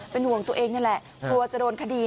เป็นห่วงตัวเองนี่แหละกลัวจะโดนคดี